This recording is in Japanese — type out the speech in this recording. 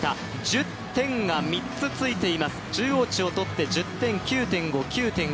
１０点が３つついています。